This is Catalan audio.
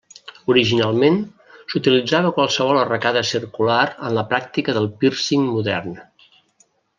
Originalment, s'utilitzava qualsevol arracada circular en la pràctica del pírcing modern.